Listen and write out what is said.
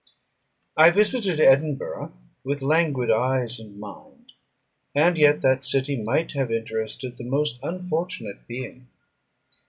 I visited Edinburgh with languid eyes and mind; and yet that city might have interested the most unfortunate being.